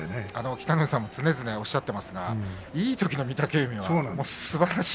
北の富士さんも常々おっしゃっていますがいいときの御嶽海はすばらしい。